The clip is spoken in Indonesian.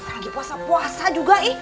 lagi puasa puasa juga